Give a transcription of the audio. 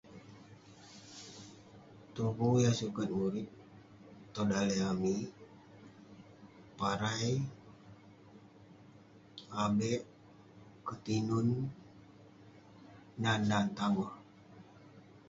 Tuvu yah sukat murip tong daleh amik ; parai, abek, ketinun. Nan-nan tangoh.